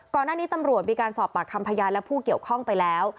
ก่อนหน้านี้ตำรวจมีการสอบปากคำพยานและผู้เกี่ยวข้องไปแล้ว